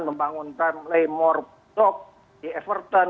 membangun ramele morpok di everton